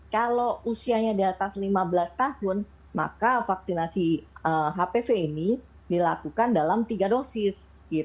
kalau usianya di atas lima belas tahun maka vaksinasi hpv ini dilakukan dalam tiga dosis